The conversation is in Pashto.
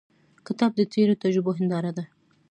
کتاب د تیرو تجربو هنداره ده.